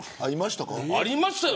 ありましたよ